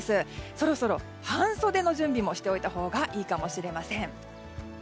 そろそろ半袖の準備もしておいたほうがいいかもしれません。